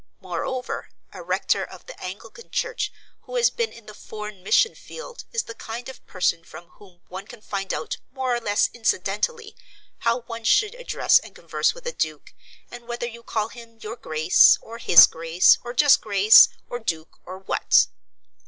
Moreover, a rector of the Anglican Church who has been in the foreign mission field is the kind of person from whom one can find out, more or less incidentally, how one should address and converse with a duke, and whether you call him, "Your Grace," or "His Grace," or just "Grace," or "Duke," or what.